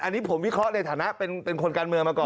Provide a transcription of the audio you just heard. อันนี้ผมวิเคราะห์ในฐานะเป็นคนการเมืองมาก่อน